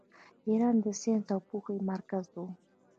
ایران د ساینس او پوهې مرکز و.